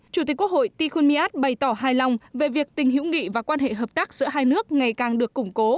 chủ tịch quốc hội tichun miad bày tỏ hài lòng về việc tình hữu nghị và quan hệ hợp tác giữa hai nước ngày càng được củng cố